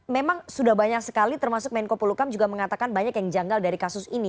memang sudah banyak sekali termasuk menko polukam juga mengatakan banyak yang janggal dari kasus ini